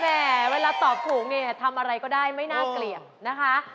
เวลาตอบถูกเนี่ยทำอะไรก็ได้ไม่น่าเกลี่ยมนะคะ